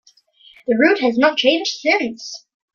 The route has not changed since.